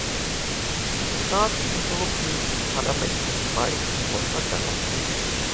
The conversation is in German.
Rat und Europäisches Parlament müssen beide diesem Vorschlag dann noch zustimmen.